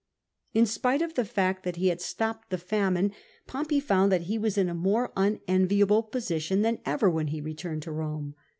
In spite of the fact that he had stopped the famine, POMPET 272 Pompey found that he was in a more unenviable position than ever when he returned to Pi ome.